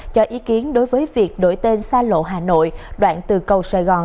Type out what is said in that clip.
cho ý kiến đối với việc đổi tên xa lộ hà nội đoạn từ cầu sài gòn